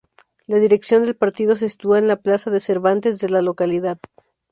La dirección del partido se sitúa en la Plaza de Cervantes de la localidad.